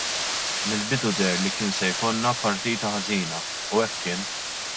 Mill-bidu deher li kien se jkollna partita ħażina u hekk kien.